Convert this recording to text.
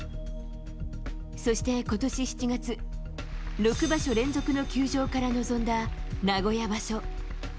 そして、今年７月６場所連続の休場から臨んだ名古屋場所。